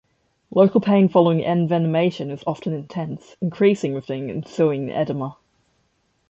Local pain following envenomation is often intense, increasing with the ensuing edema.